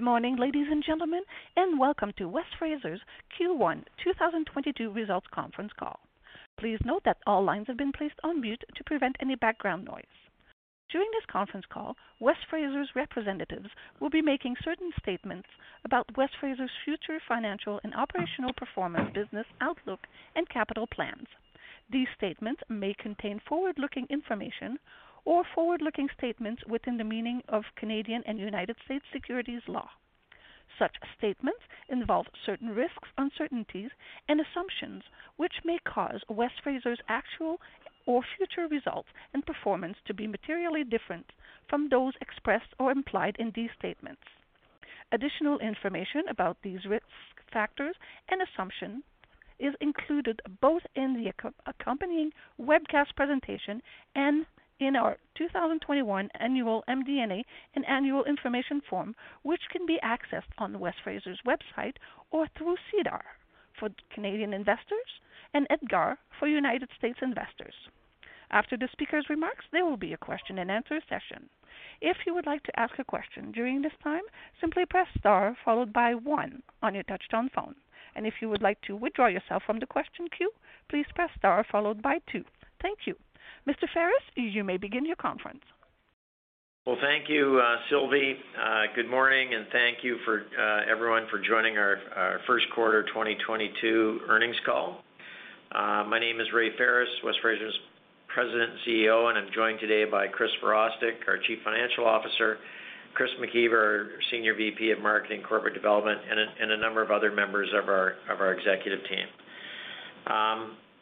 Good morning, ladies and gentlemen, and welcome to West Fraser's Q1 2022 Results Conference Call. Please note that all lines have been placed on mute to prevent any background noise. During this conference call, West Fraser's representatives will be making certain statements about West Fraser's future financial and operational performance, business outlook, and capital plans. These statements may contain forward-looking information or forward-looking statements within the meaning of Canadian and United States securities law. Such statements involve certain risks, uncertainties and assumptions, which may cause West Fraser's actual or future results and performance to be materially different from those expressed or implied in these statements. Additional information about these risk factors and assumptions is included both in the accompanying webcast presentation and in our 2021 annual MD&A and annual information form, which can be accessed on West Fraser's website or through SEDAR for Canadian investors and EDGAR for United States investors. After the speaker's remarks, there will be a question-and-answer session. If you would like to ask a question during this time, simply press star followed by one on your touch-tone phone. If you would like to withdraw yourself from the question queue, please press star followed by two. Thank you. Mr. Ferris, you may begin your conference. Well, thank you, Sylvie. Good morning, and thank you for everyone for joining our first quarter 2022 earnings call. My name is Ray Ferris, West Fraser's President and CEO, and I'm joined today by Chris Virostek, our Chief Financial Officer, Chris McIver, Senior VP of Marketing and Corporate Development, and a number of other members of our executive team.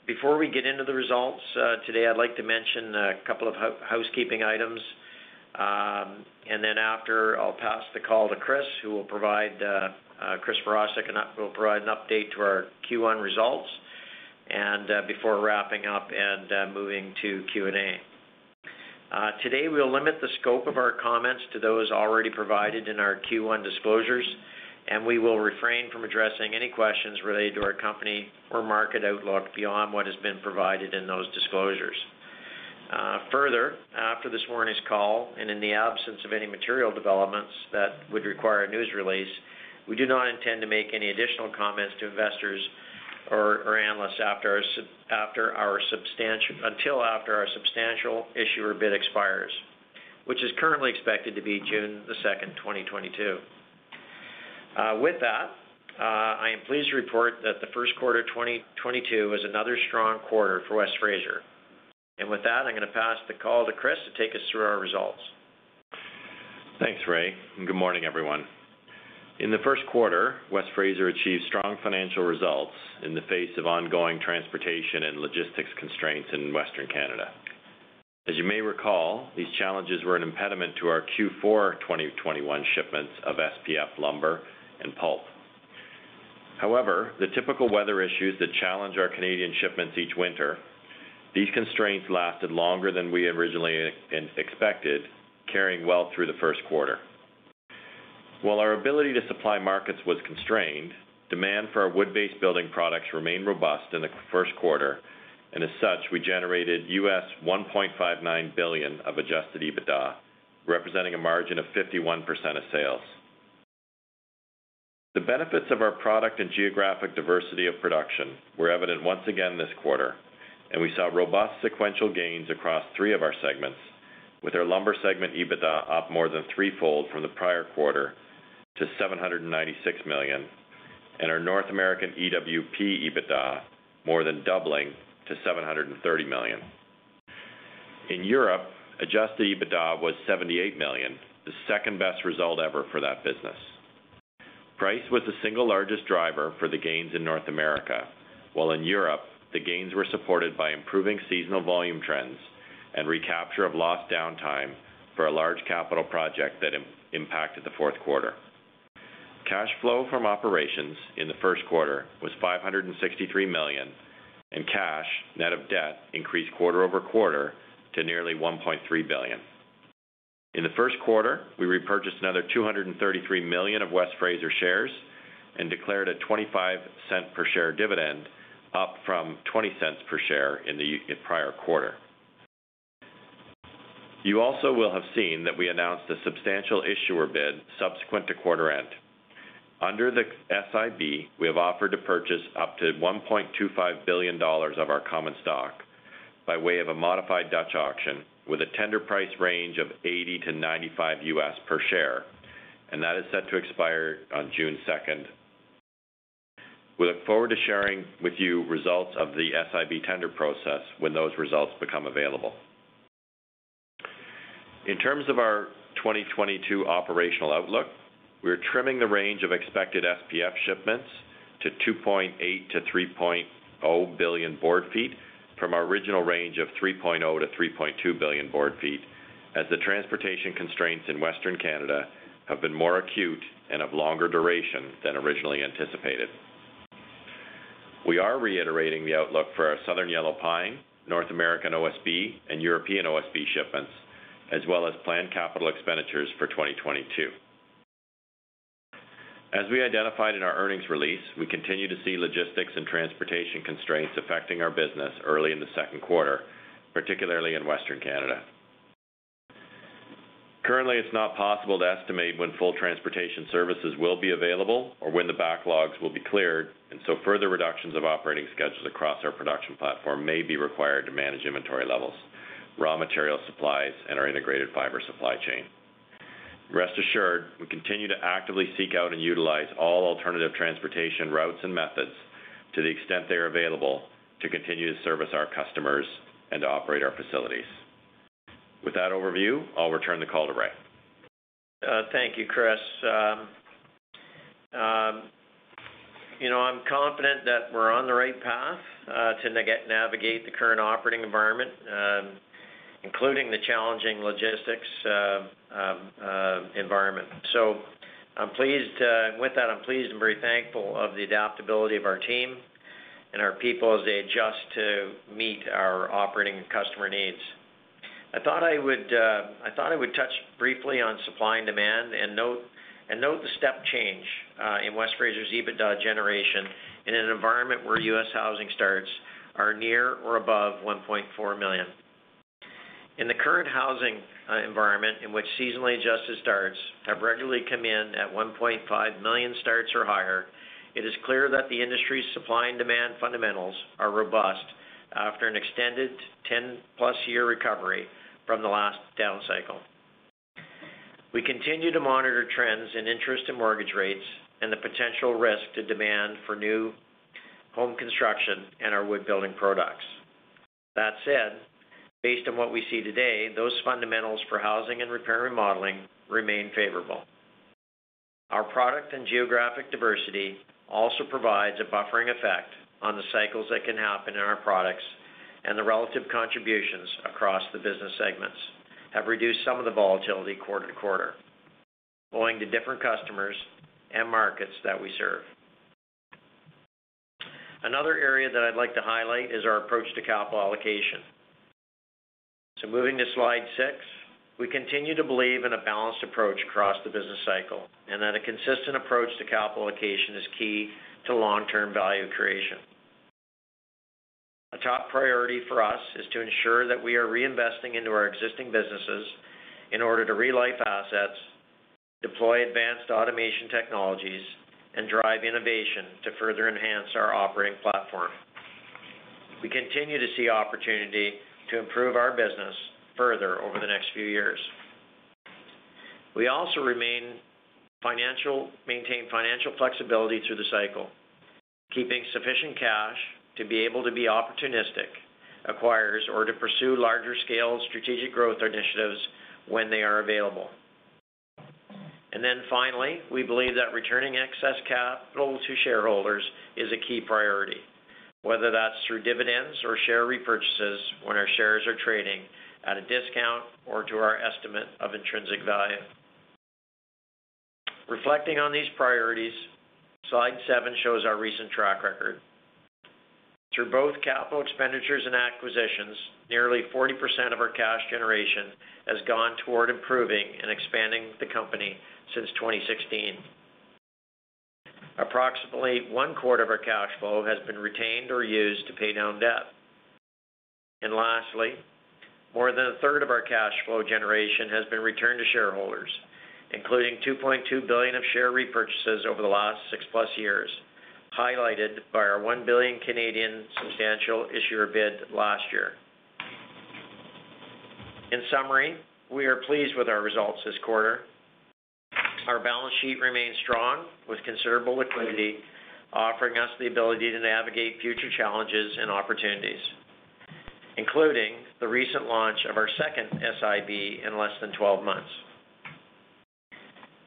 Before we get into the results today, I'd like to mention a couple of housekeeping items. Then after I'll pass the call to Chris. Chris Virostek and I will provide an update to our Q1 results and, before wrapping up and moving to Q&A. Today, we'll limit the scope of our comments to those already provided in our Q1 disclosures, and we will refrain from addressing any questions related to our company or market outlook beyond what has been provided in those disclosures. Further, after this morning's call and in the absence of any material developments that would require a news release, we do not intend to make any additional comments to investors or analysts until after our substantial issuer bid expires, which is currently expected to be June 2nd, 2022. With that, I am pleased to report that the first quarter of 2022 was another strong quarter for West Fraser. With that, I'm gonna pass the call to Chris to take us through our results. Thanks, Ray, and good morning, everyone. In the first quarter, West Fraser achieved strong financial results in the face of ongoing transportation and logistics constraints in Western Canada. As you may recall, these challenges were an impediment to our Q4 2021 shipments of SPF lumber and pulp. However, the typical weather issues that challenge our Canadian shipments each winter, these constraints lasted longer than we originally expected, carrying well through the first quarter. While our ability to supply markets was constrained, demand for our wood-based building products remained robust in the first quarter, and as such, we generated $1.59 billion of adjusted EBITDA, representing a margin of 51% of sales. The benefits of our product and geographic diversity of production were evident once again this quarter, and we saw robust sequential gains across three of our segments with our Lumber segment EBITDA up more than threefold from the prior quarter to $796 million and our North American EWP EBITDA more than doubling to $730 million. In Europe, adjusted EBITDA was $78 million, the second-best result ever for that business. Price was the single largest driver for the gains in North America, while in Europe, the gains were supported by improving seasonal volume trends and recapture of lost downtime for a large capital project that impacted the fourth quarter. Cash flow from operations in the first quarter was $563 million, and cash, net of debt, increased quarter-over-quarter to nearly $1.3 billion. In the first quarter, we repurchased another $233 million of West Fraser shares and declared a $0.25 per share dividend up from $0.20 per share in prior quarter. You also will have seen that we announced a substantial issuer bid subsequent to quarter end. Under the SIB, we have offered to purchase up to $1.25 billion of our common stock by way of a modified Dutch auction with a tender price range of $80-$95 per share, and that is set to expire on June 2nd. We look forward to sharing with you results of the SIB tender process when those results become available. In terms of our 2022 operational outlook, we're trimming the range of expected SPF shipments to 2.8 billion-3.0 billion board feet from our original range of 3.0 billion-3.2 billion board feet as the transportation constraints in Western Canada have been more acute and of longer duration than originally anticipated. We are reiterating the outlook for our southern yellow pine, North American OSB, and European OSB shipments, as well as planned capital expenditures for 2022. As we identified in our earnings release, we continue to see logistics and transportation constraints affecting our business early in the second quarter, particularly in Western Canada. Currently, it's not possible to estimate when full transportation services will be available or when the backlogs will be cleared, and so further reductions of operating schedules across our production platform may be required to manage inventory levels, raw material supplies, and our integrated fiber supply chain. Rest assured, we continue to actively seek out and utilize all alternative transportation routes and methods to the extent they are available to continue to service our customers and to operate our facilities. With that overview, I'll return the call to Ray. Thank you, Chris. You know, I'm confident that we're on the right path to navigate the current operating environment, including the challenging logistics environment. I'm pleased with that, I'm pleased and very thankful of the adaptability of our team and our people as they adjust to meet our operating and customer needs. I thought I would touch briefly on supply and demand and note the step change in West Fraser's EBITDA generation in an environment where U.S. housing starts are near or above 1.4 million. In the current housing environment, in which seasonally adjusted starts have regularly come in at 1.5 million starts or higher, it is clear that the industry's supply and demand fundamentals are robust after an extended 10+ year recovery from the last down cycle. We continue to monitor trends in interest and mortgage rates and the potential risk to demand for new home construction and our wood building products. That said, based on what we see today, those fundamentals for housing and repair remodeling remain favorable. Our product and geographic diversity also provides a buffering effect on the cycles that can happen in our products, and the relative contributions across the business segments have reduced some of the volatility quarter to quarter owing to different customers and markets that we serve. Another area that I'd like to highlight is our approach to capital allocation. Moving to Slide 6. We continue to believe in a balanced approach across the business cycle, and that a consistent approach to capital allocation is key to long-term value creation. A top priority for us is to ensure that we are reinvesting into our existing businesses in order to relife assets, deploy advanced automation technologies, and drive innovation to further enhance our operating platform. We continue to see opportunity to improve our business further over the next few years. We also maintain financial flexibility through the cycle, keeping sufficient cash to be able to be opportunistic acquirers or to pursue larger scale strategic growth initiatives when they are available. Finally, we believe that returning excess capital to shareholders is a key priority, whether that's through dividends or share repurchases when our shares are trading at a discount or to our estimate of intrinsic value. Reflecting on these priorities, Slide 7 shows our recent track record. Through both capital expenditures and acquisitions, nearly 40% of our cash generation has gone toward improving and expanding the company since 2016. Approximately one quarter of our cash flow has been retained or used to pay down debt. Lastly, more than a third of our cash flow generation has been returned to shareholders, including 2.2 billion of share repurchases over the last six+ years, highlighted by our 1 billion Canadian dollars substantial issuer bid last year. In summary, we are pleased with our results this quarter. Our balance sheet remains strong with considerable liquidity, offering us the ability to navigate future challenges and opportunities, including the recent launch of our second SIB in less than 12 months.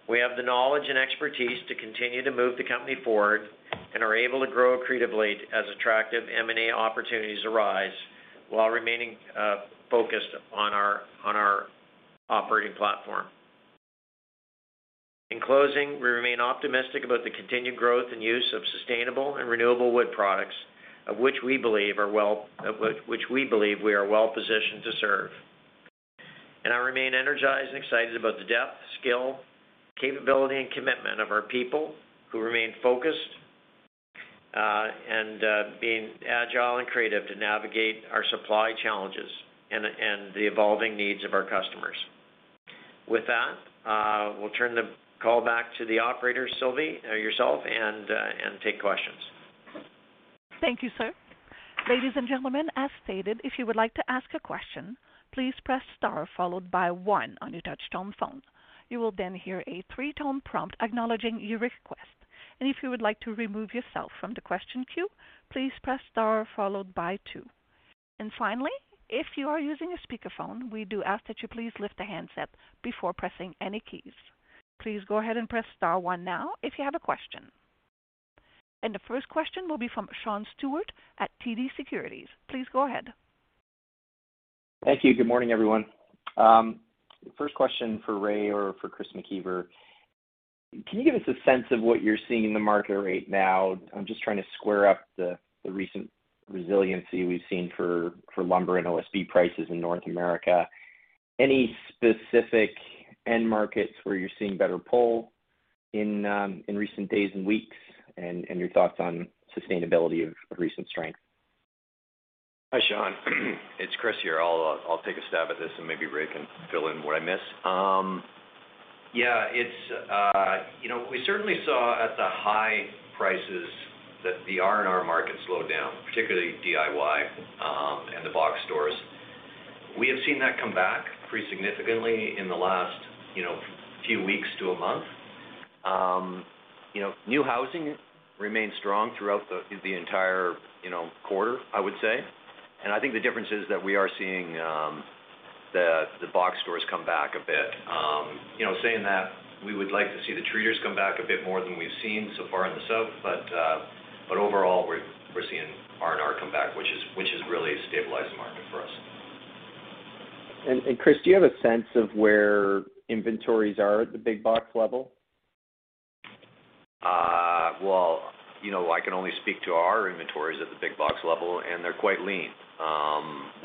We have the knowledge and expertise to continue to move the company forward and are able to grow accretively as attractive M&A opportunities arise while remaining focused on our operating platform. In closing, we remain optimistic about the continued growth and use of sustainable and renewable wood products, of which we believe we are well positioned to serve. I remain energized and excited about the depth, skill, capability, and commitment of our people, who remain focused and being agile and creative to navigate our supply challenges and the evolving needs of our customers. With that, we'll turn the call back to the operator, Sylvie, yourself and take questions. Thank you, sir. Ladies and gentlemen, as stated, if you would like to ask a question, please press star followed by one on your touch-tone phone. You will then hear a three-tone prompt acknowledging your request. If you would like to remove yourself from the question queue, please press star followed by two. Finally, if you are using a speakerphone, we do ask that you please lift the handset before pressing any keys. Please go ahead and press star one now if you have a question. The first question will be from Sean Steuart at TD Securities. Please go ahead. Thank you. Good morning, everyone. First question for Ray or for Chris McIver. Can you give us a sense of what you're seeing in the market right now? I'm just trying to square up the recent resiliency we've seen for lumber and OSB prices in North America. Any specific end markets where you're seeing better pull in recent days and weeks, and your thoughts on sustainability of recent strength? Hi, Sean. It's Chris here. I'll take a stab at this, and maybe Ray can fill in what I miss. Yeah, it's you know, we certainly saw at the high prices that the R&R market slowed down, particularly DIY, and the box stores. We have seen that come back pretty significantly in the last you know, few weeks to a month. You know, new housing remained strong throughout the entire you know, quarter, I would say. I think the difference is that we are seeing the box stores come back a bit. You know, saying that, we would like to see the treaters come back a bit more than we've seen so far in the south. Overall, we're seeing R&R come back, which is really stabilizing the market for us. Chris, do you have a sense of where inventories are at the big box level? Well, you know, I can only speak to our inventories at the big box level, and they're quite lean.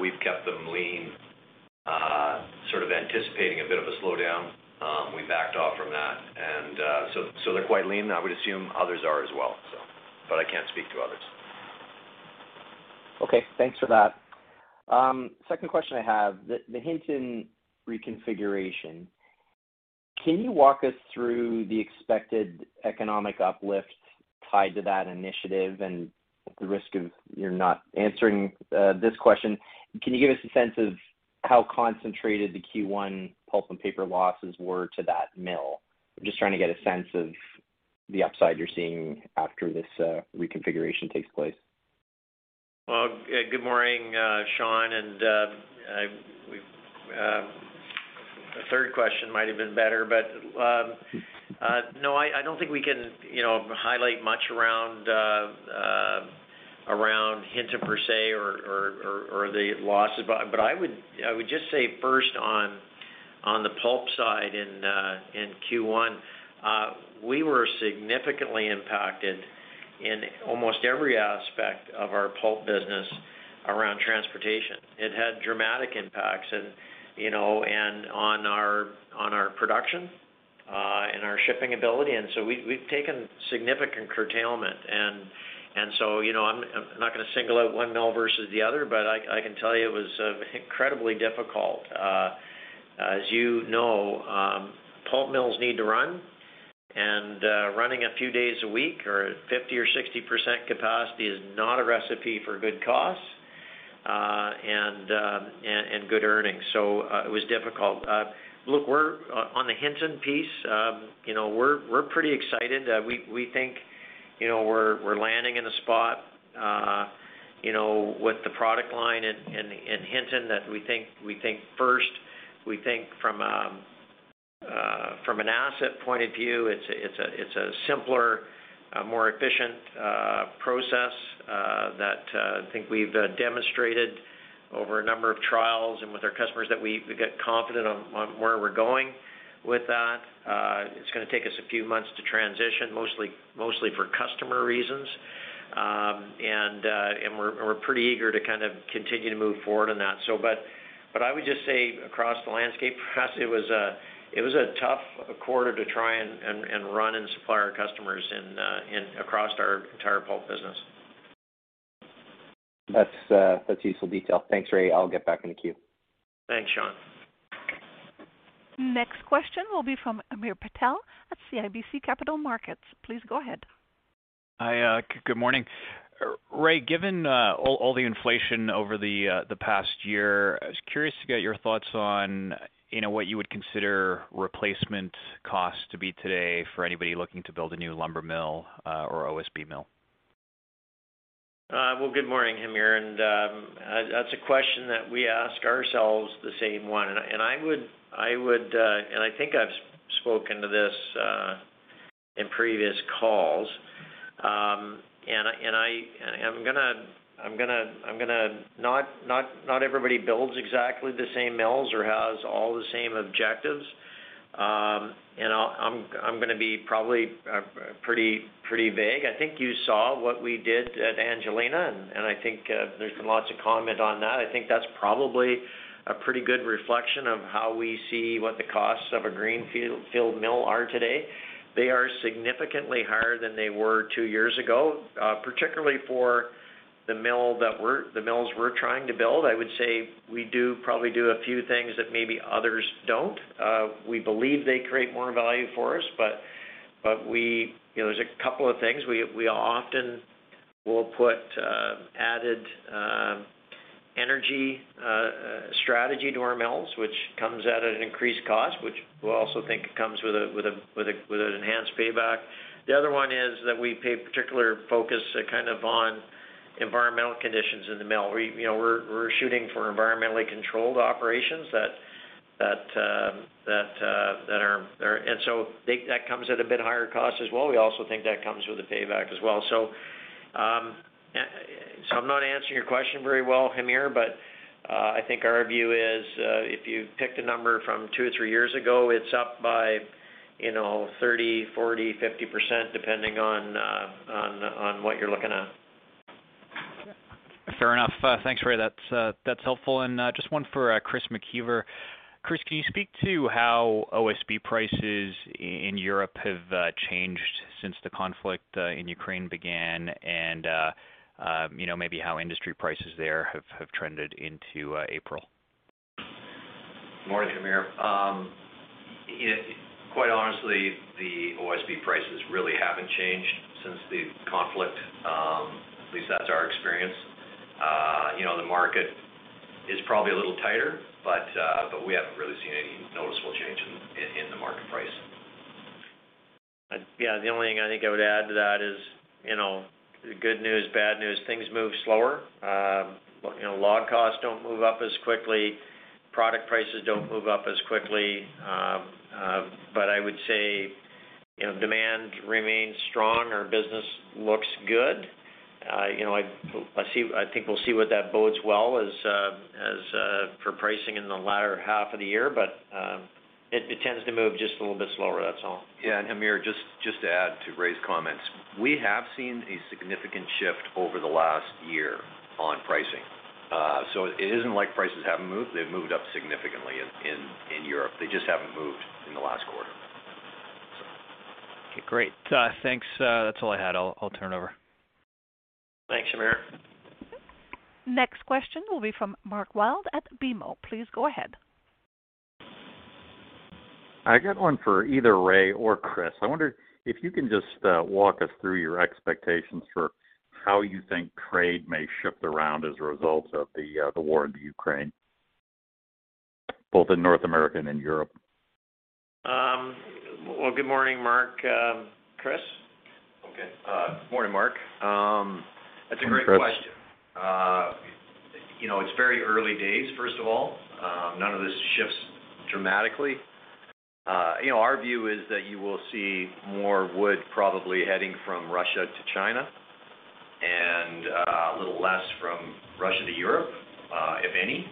We've kept them lean, sort of anticipating a bit of a slowdown. We backed off from that. So they're quite lean. I would assume others are as well, but I can't speak to others. Okay. Thanks for that. Second question I have, the Hinton reconfiguration, can you walk us through the expected economic uplift tied to that initiative? At the risk of your not answering this question, can you give us a sense of how concentrated the Q1 pulp and paper losses were to that mill? I'm just trying to get a sense of the upside you're seeing after this reconfiguration takes place. Well, good morning, Sean. The third question might have been better. No, I don't think we can, you know, highlight much around around Hinton per se or the losses. I would just say first on the pulp side in Q1 we were significantly impacted in almost every aspect of our pulp business around transportation. It had dramatic impacts and, you know, on our production and our shipping ability, and so we've taken significant curtailment. You know, I'm not gonna single out one mill versus the other, but I can tell you it was incredibly difficult. As you know, pulp mills need to run, and running a few days a week or at 50% or 60% capacity is not a recipe for good costs and good earnings. It was difficult. Look, on the Hinton piece, you know, we're pretty excited. We think, you know, we're landing in a spot, you know, with the product line in Hinton that we think first from an asset point of view, it's a simpler, more efficient process that I think we've demonstrated over a number of trials and with our customers that we get confident on where we're going with that. It's gonna take us a few months to transition, mostly for customer reasons. We're pretty eager to kind of continue to move forward on that. I would just say across the landscape, perhaps it was a tough quarter to try and run and supply our customers across our entire pulp business. That's useful detail. Thanks, Ray. I'll get back in the queue. Thanks, Sean. Next question will be from Hamir Patel at CIBC Capital Markets. Please go ahead. Hi. Good morning. Ray, given all the inflation over the past year, I was curious to get your thoughts on, you know, what you would consider replacement costs to be today for anybody looking to build a new lumber mill or OSB mill? Well, good morning, Hamir, that's a question that we ask ourselves the same one. I think I've spoken to this in previous calls. Not everybody builds exactly the same mills or has all the same objectives. I'm gonna be probably pretty vague. I think you saw what we did at Angelina, and I think there's been lots of comment on that. I think that's probably a pretty good reflection of how we see what the costs of a greenfield mill are today. They are significantly higher than they were two years ago, particularly for the mills we're trying to build. I would say we probably do a few things that maybe others don't. We believe they create more value for us, but we. You know, there's a couple of things. We often will put added energy strategy to our mills, which comes at an increased cost, which we also think comes with an enhanced payback. The other one is that we pay particular focus kind of on environmental conditions in the mill. You know, we're shooting for environmentally controlled operations that are. That comes at a bit higher cost as well. We also think that comes with a payback as well. I'm not answering your question very well, Hamir, but I think our view is, if you picked a number from two to three years ago, it's up by, you know, 30%, 40%, 50%, depending on what you're looking at. Fair enough. Thanks, Ray. That's helpful. Just one for Chris McIver. Chris, can you speak to how OSB prices in Europe have changed since the conflict in Ukraine began and you know, maybe how industry prices there have trended into April? Morning, Hamir. Quite honestly, the OSB prices really haven't changed since the conflict, at least that's our experience. You know, the market is probably a little tighter, but we haven't really seen any noticeable change in the market price. Yeah. The only thing I think I would add to that is, you know, good news, bad news, things move slower. You know, log costs don't move up as quickly, product prices don't move up as quickly. But I would say, you know, demand remains strong or business looks good. You know, I think we'll see what that bodes well as for pricing in the latter half of the year, but it tends to move just a little bit slower. That's all. Yeah. Hamir, just to add to Ray's comments, we have seen a significant shift over the last year on pricing. It isn't like prices haven't moved. They've moved up significantly in Europe. They just haven't moved in the last quarter. Okay, great. Thanks. That's all I had. I'll turn over. Thanks, Hamir. Next question will be from Mark Wilde at BMO. Please go ahead. I got one for either Ray or Chris. I wonder if you can just walk us through your expectations for how you think trade may shift around as a result of the war in the Ukraine, both in North America and in Europe. Well, good morning, Mark. Chris? Okay. Morning, Mark. That's a great question. Morning, Chris. You know, it's very early days, first of all. None of this shifts dramatically. You know, our view is that you will see more wood probably heading from Russia to China and a little less from Russia to Europe, if any.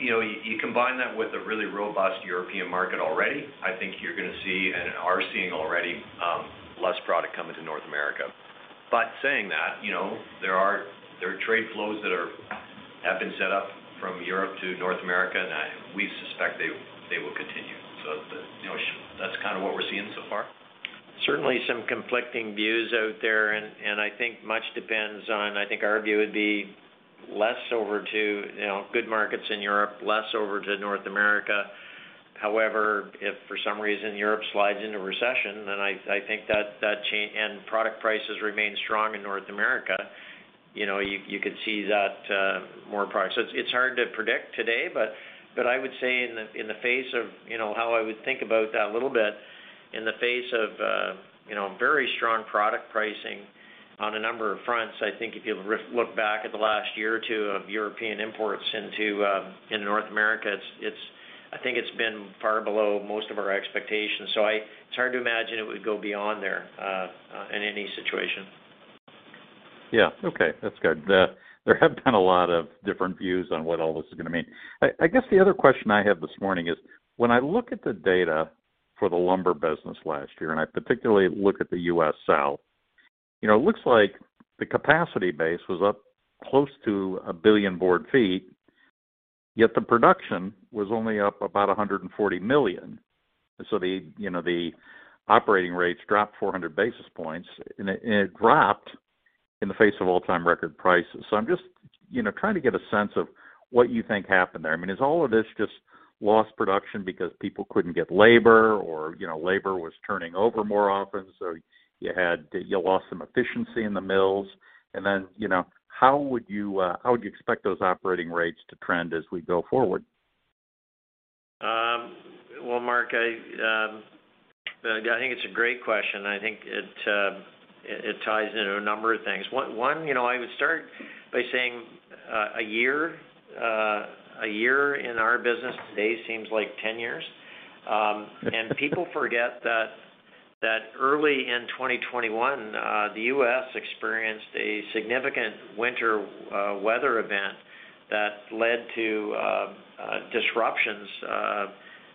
You know, you combine that with a really robust European market already, I think you're gonna see and are seeing already less product coming to North America. But saying that, you know, there are trade flows that have been set up from Europe to North America, and we suspect they will continue. You know, that's kind of what we're seeing so far. Certainly some conflicting views out there, and I think much depends on. I think our view would be less exposure to, you know, good markets in Europe, less exposure to North America. However, if for some reason Europe slides into recession, then I think that the supply chain and product prices remain strong in North America, you know, you could see that, more products. It's hard to predict today, but I would say in the face of, you know, how I would think about that a little bit, in the face of, you know, very strong product pricing on a number of fronts. I think if you look back at the last year or two of European imports into North America, it's. I think it's been far below most of our expectations. It's hard to imagine it would go beyond there in any situation. Yeah. Okay. That's good. There have been a lot of different views on what all this is gonna mean. I guess the other question I have this morning is, when I look at the data for the lumber business last year, and I particularly look at the U.S. South, you know, it looks like the capacity base was up close to 1 billion board feet, yet the production was only up about 140 million. The operating rates dropped 400 basis points, and it dropped in the face of all-time record prices. I'm just trying to get a sense of what you think happened there? I mean, is all of this just lost production because people couldn't get labor or, you know, labor was turning over more often, so you had You lost some efficiency in the mills? You know, how would you expect those operating rates to trend as we go forward? Well, Mark, yeah, I think it's a great question. I think it ties into a number of things. One, you know, I would start by saying a year in our business today seems like 10 years. People forget that early in 2021, the U.S. experienced a significant winter weather event that led to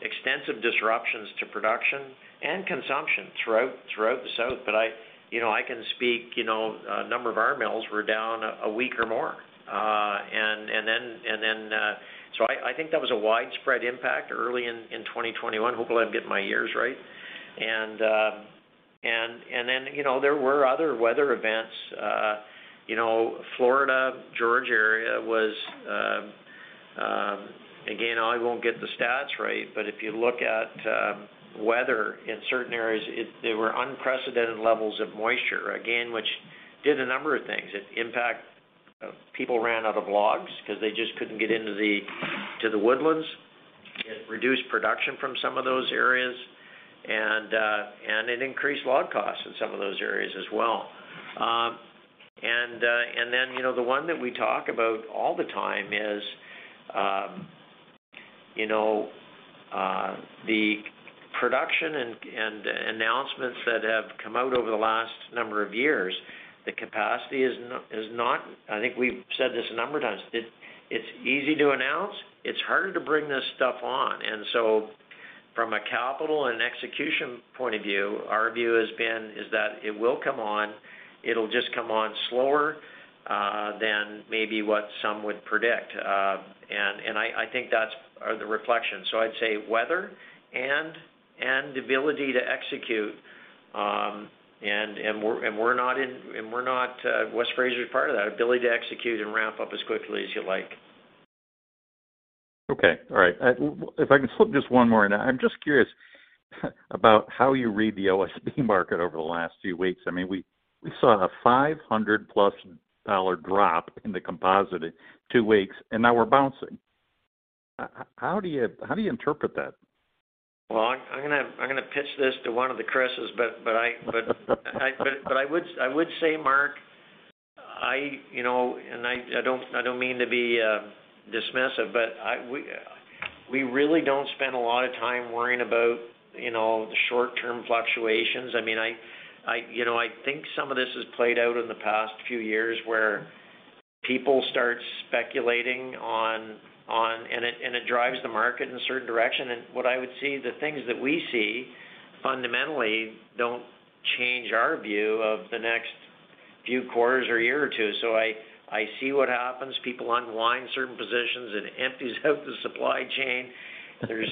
extensive disruptions to production and consumption throughout the South. I can speak, you know, a number of our mills were down a week or more. I think that was a widespread impact early in 2021. Hopefully, I'm getting my years right. You know, there were other weather events. You know, Florida, Georgia area was. Again, I won't get the stats right, but if you look at weather in certain areas, there were unprecedented levels of moisture, again, which did a number of things. People ran out of logs 'cause they just couldn't get into the woodlands. It reduced production from some of those areas, and it increased log costs in some of those areas as well. You know, the one that we talk about all the time is the production and announcements that have come out over the last number of years. The capacity is not. I think we've said this a number of times. It's easy to announce, it's harder to bring this stuff on. From a capital and execution point of view, our view has been that it will come on. It'll just come on slower than maybe what some would predict. And I think that's our reflection. I'd say weather and ability to execute, and West Fraser is part of that ability to execute and ramp up as quickly as you like. Okay. All right. If I can flip just one more. I'm just curious about how you read the OSB market over the last few weeks. I mean, we saw a $500+ drop in the composite in two weeks, and now we're bouncing. How do you interpret that? Well, I'm gonna pitch this to one of the Chris', but I would say, Mark, you know. I don't mean to be dismissive, but we really don't spend a lot of time worrying about, you know, the short-term fluctuations. I mean, you know, I think some of this has played out in the past few years where people start speculating on it drives the market in a certain direction. What I would see, the things that we see fundamentally don't change our view of the next few quarters or year or two. I see what happens. People unwind certain positions and it empties out the supply chain. There's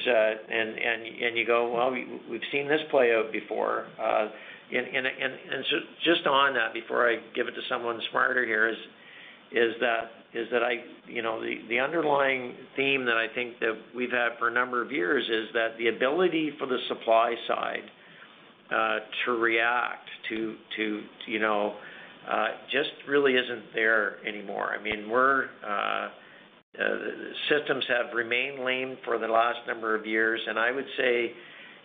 You go, "Well, we've seen this play out before." Just on that, before I give it to someone smarter here, is that, you know, the underlying theme that I think that we've had for a number of years is that the ability for the supply side to react to, you know, just really isn't there anymore. I mean, systems have remained lean for the last number of years, and I would say,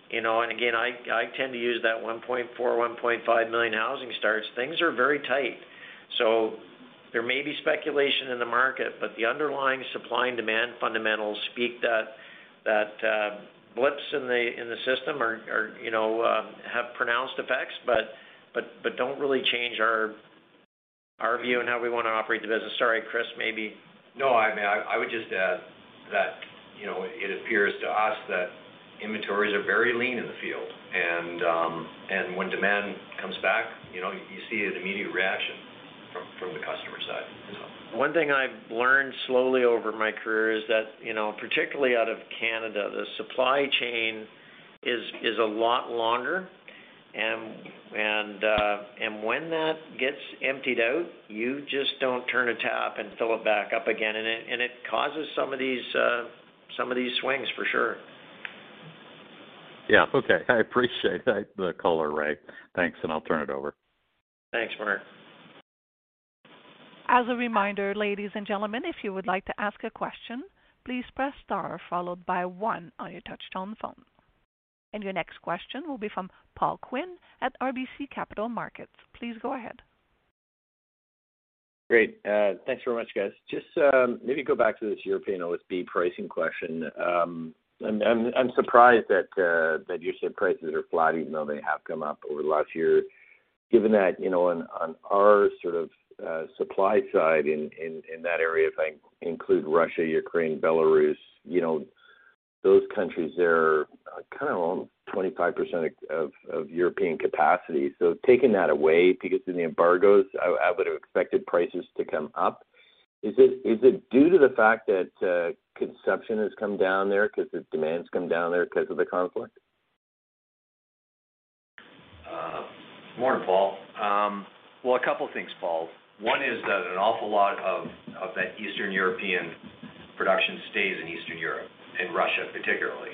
you know, I tend to use that 1.4 million-1.5 million housing starts. Things are very tight. There may be speculation in the market, but the underlying supply and demand fundamentals speak that blips in the system are, you know, have pronounced effects, but don't really change our view on how we wanna operate the business. Sorry, Chris, maybe. No, I mean, I would just add that, you know, it appears to us that inventories are very lean in the field. When demand comes back, you know, you see an immediate reaction from the customer side. One thing I've learned slowly over my career is that, you know, particularly out of Canada, the supply chain is a lot longer. When that gets emptied out, you just don't turn a tap and fill it back up again. It causes some of these swings for sure. Yeah. Okay. I appreciate the color, Ray. Thanks, and I'll turn it over. Thanks, Mark. As a reminder, ladies and gentlemen, if you would like to ask a question, please press star followed by one on your touch-tone phone. Your next question will be from Paul Quinn at RBC Capital Markets. Please go ahead. Great. Thanks very much, guys. Just, maybe go back to this European OSB pricing question. I'm surprised that you said prices are flat even though they have come up over the last year, given that, you know, on our sort of supply side in that area, if I include Russia, Ukraine, Belarus, you know, those countries there are kind of on 25% of European capacity. So taking that away because of the embargoes, I would have expected prices to come up. Is it due to the fact that consumption has come down there because the demand's come down there because of the conflict? Morning, Paul. Well, a couple things, Paul. One is that an awful lot of that Eastern European production stays in Eastern Europe, in Russia, particularly.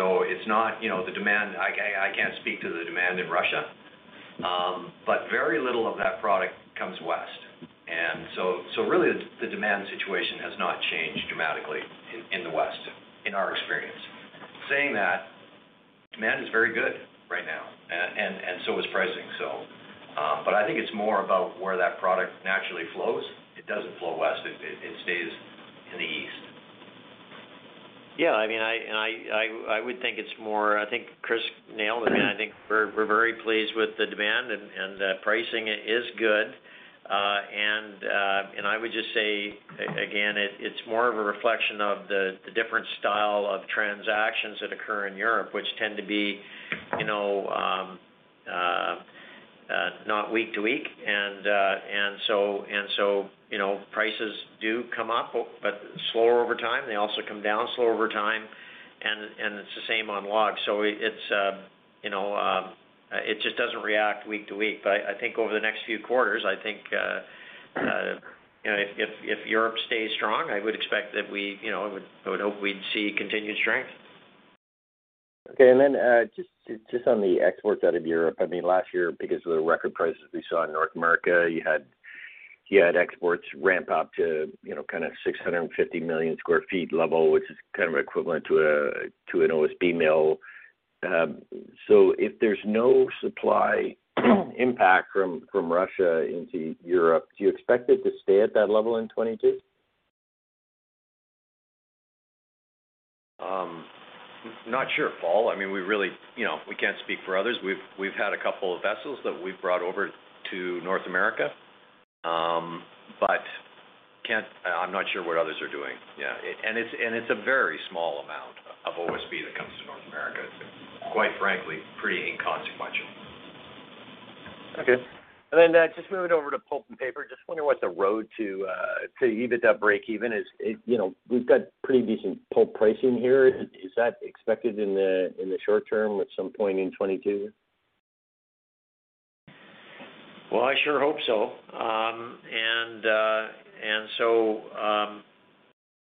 It's not. I can't speak to the demand in Russia. Very little of that product comes West. Really the demand situation has not changed dramatically in the West, in our experience. Saying that, demand is very good right now, and so is pricing. I think it's more about where that product naturally flows. It doesn't flow West. It stays in the East. Yeah. I mean, I think Chris nailed it. I think we're very pleased with the demand and pricing is good. I would just say, again, it's more of a reflection of the different style of transactions that occur in Europe, which tend to be, you know, not week to week. You know, prices do come up but slower over time. They also come down slower over time. It's the same on logs. It just doesn't react week to week. I think over the next few quarters, you know, if Europe stays strong, I would expect that we, you know, I would hope we'd see continued strength. Okay. Just on the export side of Europe, I mean, last year, because of the record prices we saw in North America, you had exports ramp up to kind of 650 million sq ft level, which is kind of equivalent to an OSB mill. So if there's no supply impact from Russia into Europe, do you expect it to stay at that level in 2022? Not sure, Paul. I mean, we really, you know, we can't speak for others. We've had a couple of vessels that we've brought over to North America. I'm not sure what others are doing. Yeah. It's a very small amount of OSB that comes to North America. It's quite frankly, pretty inconsequential. Okay. Just moving over to pulp and paper. Just wonder what the road to EBITDA breakeven is? You know, we've got pretty decent pulp pricing here. Is that expected in the short term at some point in 2022? Well, I sure hope so.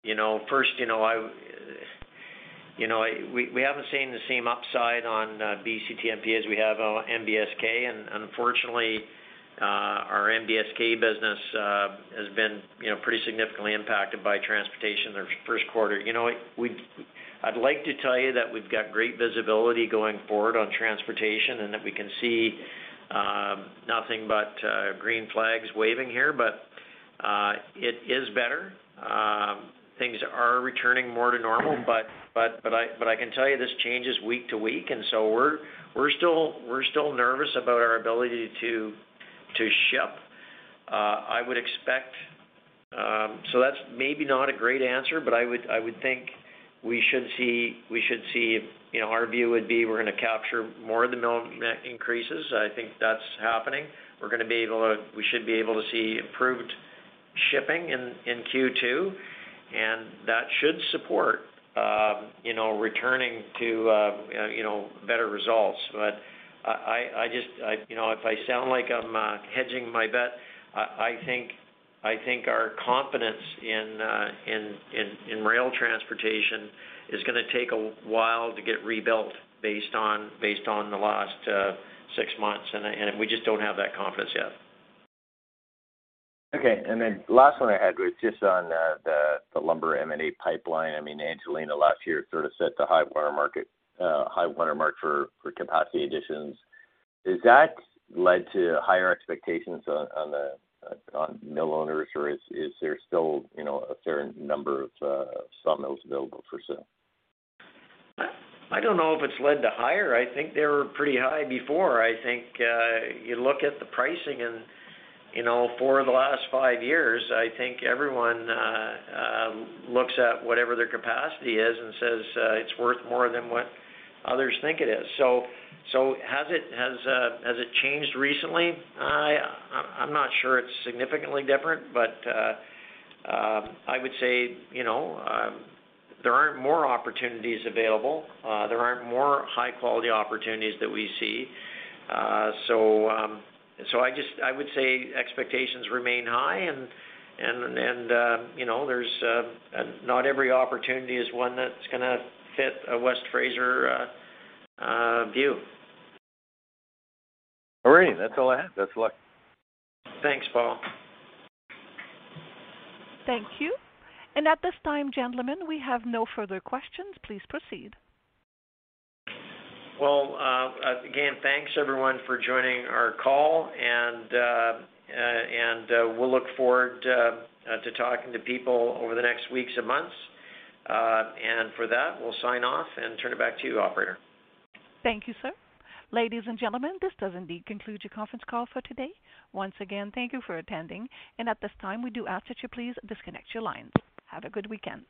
You know, first, you know, I, you know, we haven't seen the same upside on BCTMP as we have on NBSK. Unfortunately, our NBSK business has been, you know, pretty significantly impacted by transportation this first quarter. You know, I'd like to tell you that we've got great visibility going forward on transportation, and that we can see nothing but green flags waving here. It is better. Things are returning more to normal, but I can tell you this changes week to week, and so we're still nervous about our ability to ship. I would expect. That's maybe not a great answer, but I would think we should see, you know, our view would be we're gonna capture more of the mill increases. I think that's happening. We should be able to see improved shipping in Q2, and that should support you know, returning to you know, better results. I just you know, if I sound like I'm hedging my bet, I think our confidence in rail transportation is gonna take a while to get rebuilt based on the last six months. We just don't have that confidence yet. Okay. Last one I had was just on the lumber M&A pipeline. I mean, Angelina last year sort of set the high-water mark for capacity additions. Has that led to higher expectations on the mill owners, or is there still, you know, a certain number of sawmills available for sale? I don't know if it's led to higher. I think they were pretty high before. I think you look at the pricing and, you know, four of the last five years, I think everyone looks at whatever their capacity is and says it's worth more than what others think it is. Has it changed recently? I'm not sure it's significantly different. I would say, you know, there aren't more opportunities available. There aren't more high quality opportunities that we see. I would say expectations remain high and, you know, there's not every opportunity is one that's gonna fit a West Fraser view. All right. That's all I have. Best of luck. Thanks, Paul. Thank you. At this time, gentlemen, we have no further questions. Please proceed. Well, again, thanks everyone for joining our call, and we'll look forward to talking to people over the next weeks and months. And for that, we'll sign off and turn it back to you, operator. Thank you, sir. Ladies and gentlemen, this does indeed conclude your conference call for today. Once again, thank you for attending. At this time, we do ask that you please disconnect your lines. Have a good weekend.